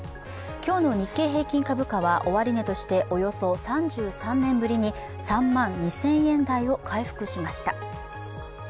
今日の日経平均株価は終値としておよそ３３年ぶりに３万２０００円台を回復しました。